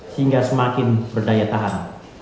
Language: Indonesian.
sehingga semakin berdaya tahan